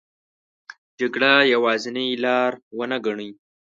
جګړه یوازینې لار ونه ګڼي.